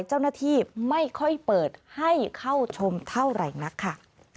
เจ้าหน้าที่ไม่ค่อยเปิดให้เข้าชมเท่าไหร่นักค่ะ